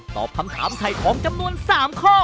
ตอบคำถามถ่ายของจำนวน๓ข้อ